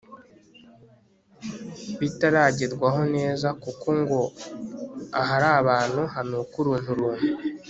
bitaragerwaho neza kuko ngo ahari abantu hanuka urunturuntu